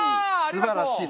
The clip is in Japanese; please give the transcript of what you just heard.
すばらしい。